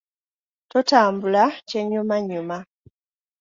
Totambula kyennyumannyuma.